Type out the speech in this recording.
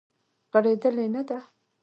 غړیدلې نه دی